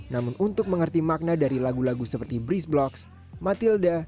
namun untuk mengerti makna dari lagu lagu seperti bris blocks matilda